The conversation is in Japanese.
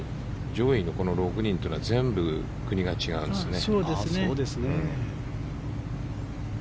上位の６人というのは全部、国が違うんですね。